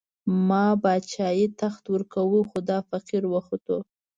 ما باچايي، تخت ورکوو، خو دا فقير وختو